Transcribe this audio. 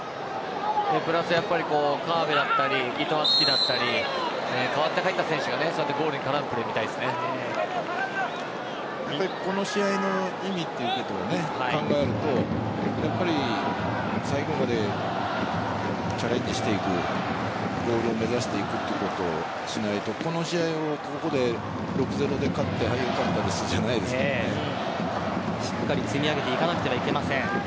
プラス、川辺だったり伊藤敦樹だったり代わって入った選手がゴールに絡むプレーをこの試合の意味ということを考えるとやっぱり最後までチャレンジしていくゴールを目指していくということをしないとこの試合をここで６ー０で勝ってしっかり積み上げていかなくてはいけません。